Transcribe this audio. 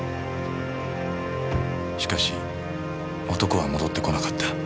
しかし男は戻ってこなかった。